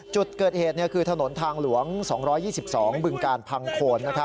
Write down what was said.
จุดเกิดเหตุคือถนนทางหลวง๒๒บึงการพังโคน